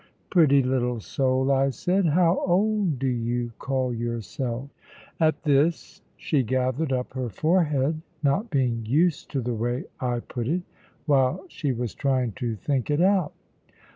"Pretty little soul," I said, "how old do you call yourself?" At this she gathered up her forehead, not being used to the way I put it, while she was trying to think it out.